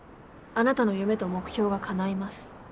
あなたの夢と目標がかないます。